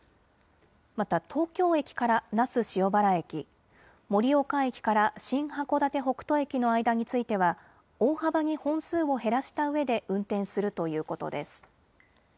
また東京駅から那須塩原駅、盛岡駅から新函館北斗駅の間については大幅に本数を減らしたうえで運転するということです。